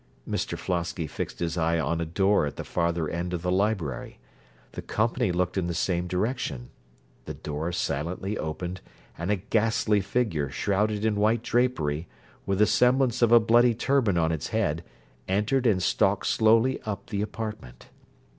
Mr Flosky fixed his eyes on a door at the farther end of the library. The company looked in the same direction. The door silently opened, and a ghastly figure, shrouded in white drapery, with the semblance of a bloody turban on its head, entered and stalked slowly up the apartment.